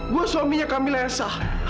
gue suaminya kamilah yang sah